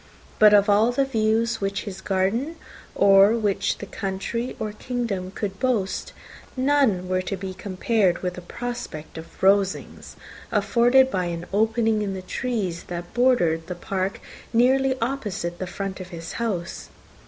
But of all the views which his garden, or which the country or the kingdom could boast, none were to be compared with the prospect of Rosings, afforded by an opening in the trees that bordered the park nearly opposite the front of his house.